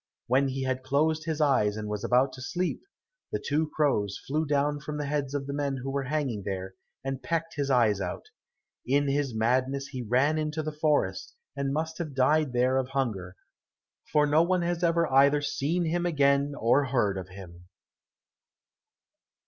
When he had closed his eyes and was about to sleep, the two crows flew down from the heads of the men who were hanging there, and pecked his eyes out. In his madness he ran into the forest and must have died there of hunger, for no one has ever either seen him again or heard of him.